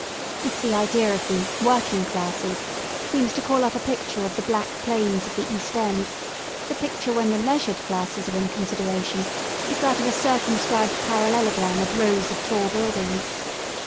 If the idea of the working classes " seems to call up a picture of the black plains of the East End, the pic ture when the leisured classes" are in consideration is that of a circumscribed parallelogram of rows of tall buildings.